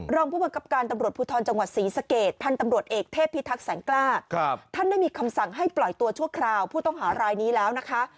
รองผู้บังคับการตำรวจภูทรจังหวัดศรีสะเกดพันธุ์ตำรวจเอกเทพพิทักษ์แสงกล้าท่านได้มีคำสั่งให้ปล่อยตัวชั่วคราวผู้ต้องหารายนี้แล้วนะคะ